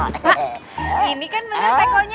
pak ini kan bener tekonya